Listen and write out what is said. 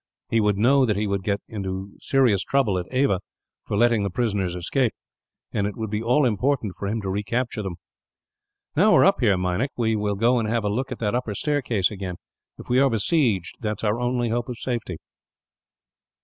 He would know that he would get into trouble, at Ava, for letting the prisoners escape; and it would be all important for him to recapture them. "Now we are up here, Meinik, we will go and have a look at that upper staircase, again. If we are besieged, that is our only hope of safety."